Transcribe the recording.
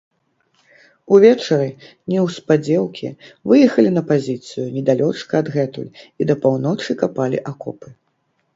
Увечары, неўспадзеўкі, выехалі на пазіцыю, недалёчка адгэтуль, і да паўночы капалі акопы.